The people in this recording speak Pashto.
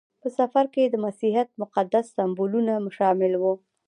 په سفر کې د مسیحیت مقدس سمبولونه شامل وو.